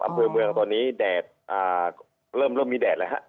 อำเภอเมืองตอนนี้แดดเริ่มมีแดดแล้วฮะ